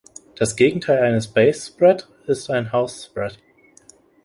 Das Gegenteil eines Baisse-Spread ist ein Hausse-Spread.